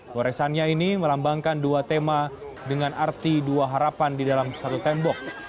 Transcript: goresannya ini melambangkan dua tema dengan arti dua harapan di dalam satu tembok